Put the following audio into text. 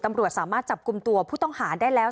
ตำรวจสามารถจับกลุ่มตัวผู้ต้องหาได้แล้ว